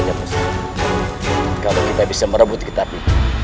raja musti kalau kita bisa merebut getapi